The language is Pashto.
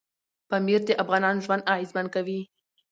پامیر د افغانانو ژوند اغېزمن کوي.